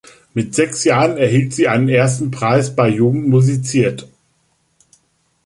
Mit sechs Jahren erhielt sie einen ersten Preis bei Jugend musiziert.